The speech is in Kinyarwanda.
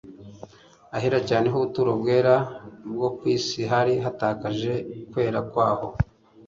Ahera cyane h'ubuturo bwera bwo ku isi hari hatakaje kwera kwaho.